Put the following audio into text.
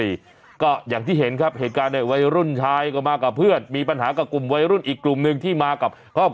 เอาดูคลิปเหตุการณ์นี้แล้วเนี้ยเราก็ต้องพูดแบบเป็น